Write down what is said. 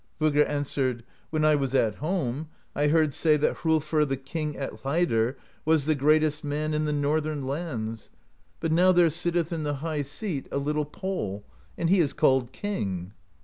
Voggr answered: 'When I was at home, I heard say that Hrolfr the king at Hleidr was the great est man in the northern lands ; but now there sitteth in the high seat a little pole, and he is called King.'